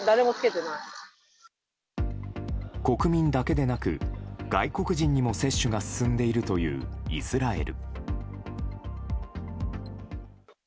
国民だけでなく外国人にも接種が進んでいるというイスラエル。